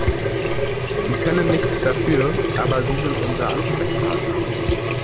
Sie können nichts dafür, aber Sie sind unser Ansprechpartner.